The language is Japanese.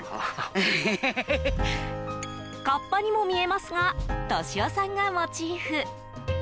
カッパにも見えますが利夫さんがモチーフ。